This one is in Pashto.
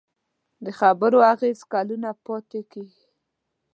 د خبرو اغېز کلونه پاتې کېږي.